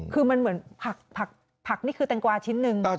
คือมันเหมือนผักนี่คือแตงกวาชิ้นหนึ่ง